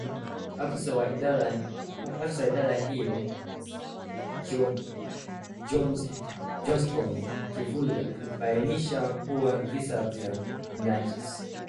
Afisa wa idara hiyo Johnstone Kivuli amebainisha kuwa visa vya unajisi